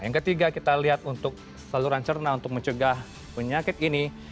yang ketiga kita lihat untuk saluran cerna untuk mencegah penyakit ini